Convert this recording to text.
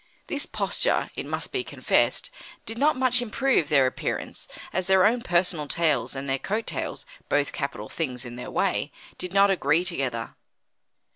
This posture, it must be confessed, did not much improve their appearance, as their own personal tails and their coat tails both capital things in their way did not agree together.